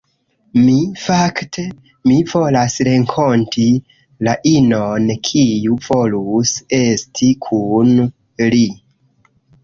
Mi, fakte, Mi volas renkonti la inon kiu volus esti kun li